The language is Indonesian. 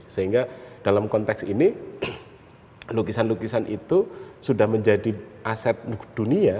sehingga dalam konteks ini lukisan lukisan itu sudah menjadi aset dunia